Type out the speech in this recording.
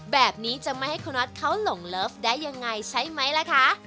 แบบนี้จะไม่ให้คุณน็อตเขาหลงเลิฟได้ยังไงใช่ไหมล่ะคะ